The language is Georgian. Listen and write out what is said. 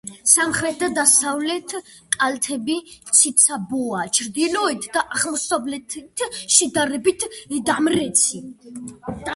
სამხრეთ და დასავლეთ კალთები ციცაბოა, ჩრდილოეთ და აღმოსავლეთი შედარებით დამრეცი.